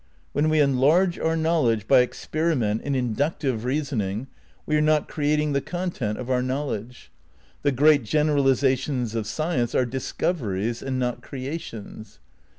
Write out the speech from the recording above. When we enlarge our knowledge by experi ment and inductive reasoning we are not creating the content of our knowledge. The great generalisations of science are discoveries and not creations.